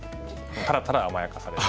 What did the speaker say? ただただ甘やかされる。